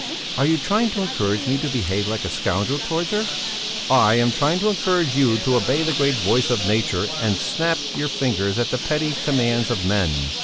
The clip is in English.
Are you trying to encourage me to behave like a scoundrel towards her?" "I am trying to encourage you to obey the great voice of nature and snap your fingers at the petty commands of men.